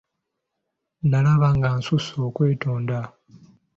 Nalaba nga nsusse okwetonda.